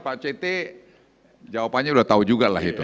pak cethe jawabannya sudah tahu juga lah itu